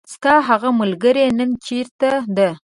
ستاهغه ملګری نن چیرته ده .